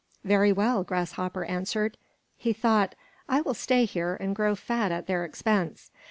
"Very well," Grasshopper answered. He thought, "I will stay here and grow fat at their expense."